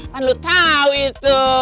kan lu tau itu